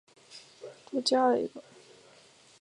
阳性和阴性的名词只要在复数属格多加一个就行了。